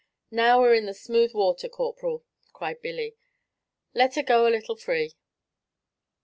"Now we're in the smooth water, Corporal," cried Billy; "let her go a little free."